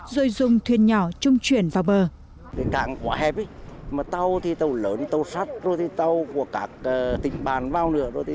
rồi dùng thuyền nhỏ chung chuyển vào bờ